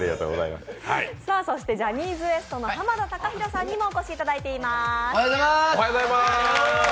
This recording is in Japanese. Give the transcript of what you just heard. そしてジャニーズＷＥＳＴの濱田崇裕さんにもお越しいただいています。